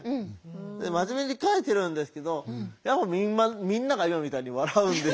で真面目に書いてるんですけどやっぱみんなが今みたいに笑うんですよ。